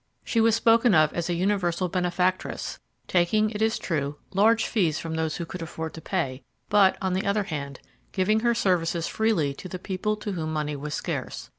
She was spoken of as a universal benefactress, taking, it is true, large fees from those who could afford to pay; but, on the other hand, giving her services freely to the people to whom money was scarce.